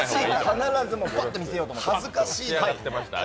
必ずバッと見せようと思って。